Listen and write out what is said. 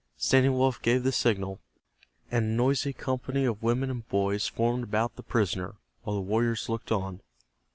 Standing Wolf gave the signal, and a noisy company of women and boys formed about the prisoner, while the warriors looked on.